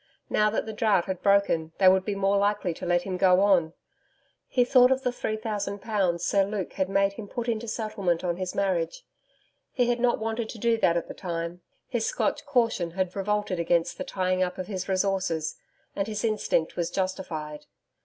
Now that the Drought had broken they would be more likely to let him go on.... He thought of the 3,000 pounds Sir Luke Tallant had made him put into settlement on his marriage. He had not wanted to do that at the time; his Scotch caution had revolted against the tying up of his resources, and his instinct was justified.